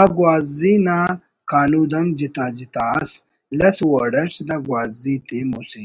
آ گوازی نا کانود ہم جتا جتا ئس لس وڑ اٹ دا گوازی تے مسہ